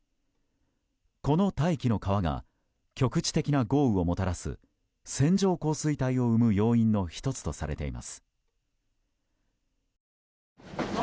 この大気の川が局地的な豪雨をもたらす線状降水帯を生む要因の１つとされています。